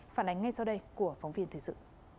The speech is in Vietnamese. phản ánh ngay sau đây của phóng viên thời sự